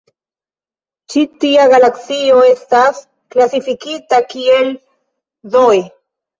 Ĉi tia galaksio estas klasifikita kiel dE.